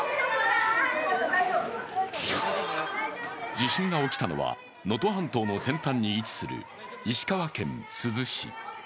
地震が起きたのは能登半島の先端に位置する石川県珠洲市。